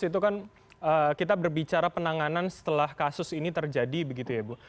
itu kan kita berbicara penanganan setelah kasus ini terjadi begitu ya bu